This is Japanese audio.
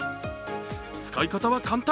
使い方は簡単。